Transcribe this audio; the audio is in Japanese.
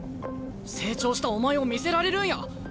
成長したお前を見せられるんや。